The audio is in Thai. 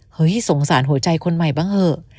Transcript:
สงสารหัวใจคนใหม่บ้างเถอะ